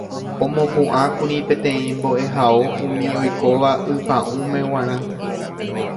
Omopu'ãkuri peteĩ mbo'ehao umi oikóva ypa'ũme g̃uarã